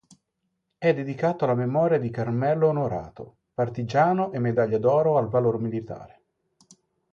È dedicato alla memoria di Carmelo Onorato, partigiano e medaglia d'oro al valor militare.